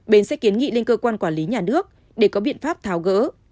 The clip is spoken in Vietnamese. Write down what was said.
bến sẽ kiến nghị lên cơ quan quản lý nhà nước để có biện pháp tháo gỡ